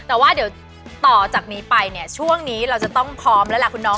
แต่ว่าเดี๋ยวต่อจากนี้ไปเนี่ยช่วงนี้เราจะต้องพร้อมแล้วล่ะคุณน้อง